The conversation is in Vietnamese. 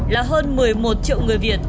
là hơn một mươi một triệu người việt